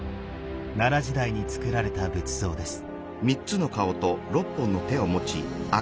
奈良時代につくられた仏像です。